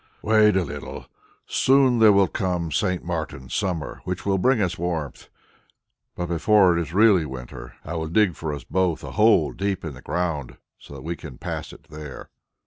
"Wait a little; soon there will come St. Martin's summer which will bring us warmth. Before it is really winter, I will dig for us both a hole deep in the ground, so that we can pass it there."